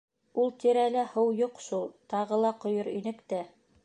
— Ул тирәлә һыу юҡ шул, тағы ла ҡойор инек тә.